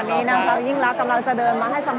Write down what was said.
และที่อยู่ด้านหลังคุณยิ่งรักนะคะก็คือนางสาวคัตยาสวัสดีผลนะคะ